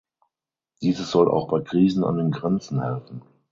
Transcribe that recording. Dieses soll auch bei Krisen an den Grenzen helfen.